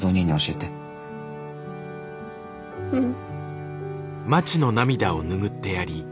うん。